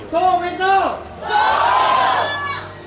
สู้ฟิ้นสู้สู้